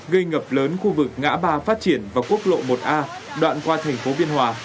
gây ngập lớn khu vực ngã ba phát triển và quốc lộ một a đoạn qua tp biên hòa